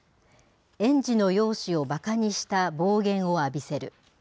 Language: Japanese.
園児の容姿をばかにした暴言を浴びせる。